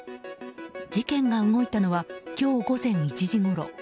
事件が動いたのは今日午前１時ごろ。